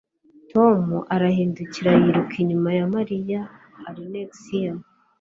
Tom arahindukira yiruka inyuma ya Mariya arnxy